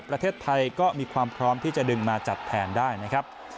ประเทศไทยก็มีความพร้อมที่จะดึงมาจัดแทนได้นะครับ